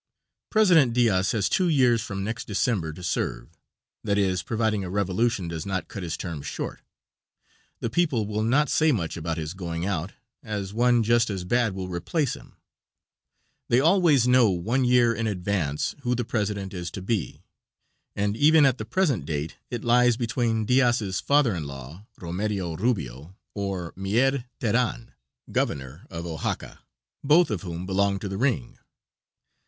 President Diaz has two years from next December to serve, that is, providing a revolution does not cut his term short. The people will not say much about his going out, as one just as bad will replace him. They always know one year in advance who the president is to be, and even at the present date it lies between Diaz's father in law, Romerio Rubio, or Mier Teran, Governor of Oaxaca, both of whom belong to the ring.